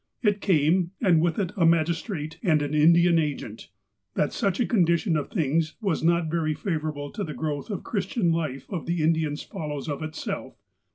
It came, and with it a magistrate and an Indian agent. That such a condition of things was not very favourable to the growth of the Christian life of the Indians follows of itself.